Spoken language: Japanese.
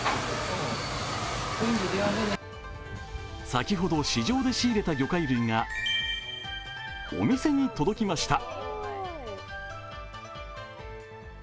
先ほど市場で仕入れた魚介類がお店に届きました。